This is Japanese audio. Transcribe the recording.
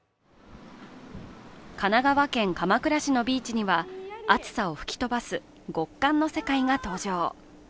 神奈川県鎌倉市のビーチには暑さを吹き飛ばす極寒の世界が登場。